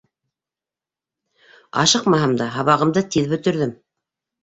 Ашыҡмаһам да, һабағымды тиҙ бөтөрҙөм.